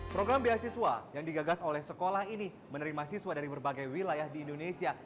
program beasiswa yang digagas oleh sekolah ini menerima siswa dari berbagai wilayah di indonesia